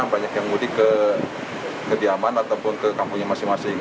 banyak yang mudik ke diaman ataupun ke kampungnya